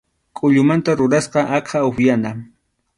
Kʼullumanta rurasqa aqha upyana.